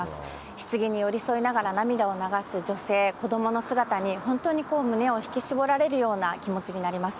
ひつぎに寄り添いながら涙を流す女性、子どもの姿に本当に胸を引き絞られるような気持ちになります。